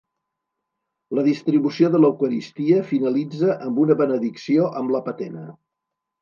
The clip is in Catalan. La distribució de l'Eucaristia finalitza amb una benedicció amb la patena.